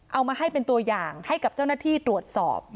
เอามาให้เป็นตัวอย่างให้กับเจ้าหน้าที่ตรวจสอบ